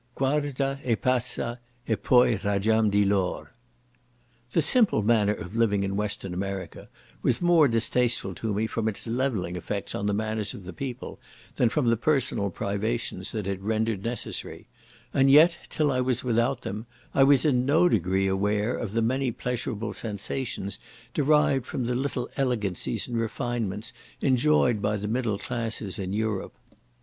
"Guarda e passa (e poi) ragioniam di lor." The "simple" manner of living in Western America was more distasteful to me from its levelling effects on the manners of the people, than from the personal privations that it rendered necessary; and yet, till I was without them, I was in no degree aware of the many pleasurable sensations derived from the little elegancies and refinements enjoyed by the middle classes in Europe.